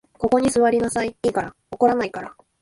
ここに坐りなさい、いいから。怒らないから。